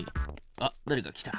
あっだれか来た。